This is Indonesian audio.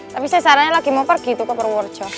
tapi saya sarannya lagi mau pergi tuh ke purworejo